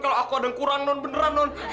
kalau aku ada yang kurang non beneran non